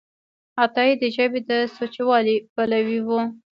عطایي د ژبې د سوچهوالي پلوی و.